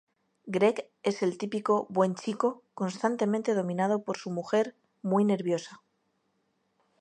Greg es el típico "buen chico", constantemente dominado por su mujer muy nerviosa.